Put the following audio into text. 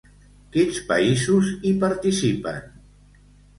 Quins països hi participen?